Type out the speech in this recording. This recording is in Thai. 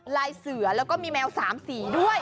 ลายเสือแล้วก็มีแมว๓สีด้วย